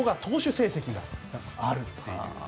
成績があるという。